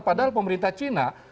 padahal pemerintah china